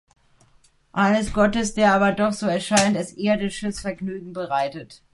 Eines Gottes, der aber doch, so scheint es "Irdisches Vergnügen" bereitet.